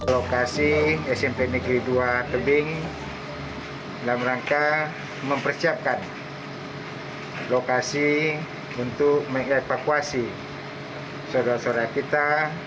lokasi smp negeri dua tebing dalam rangka mempersiapkan lokasi untuk mengevakuasi saudara saudara kita